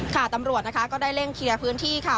ตำรวจนะคะก็ได้เร่งเคลียร์พื้นที่ค่ะ